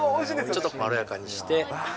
ちょっとまろやかにして。